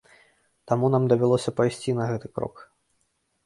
Таму нам давялося пайсці на гэты крок.